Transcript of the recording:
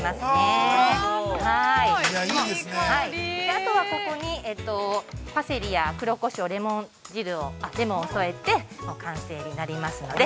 ◆あとはここに、パセリや黒こしょう、レモンを添えて、完成になりますので。